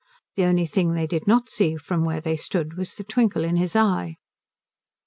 The only thing they did not see from where they stood was the twinkle in his eye.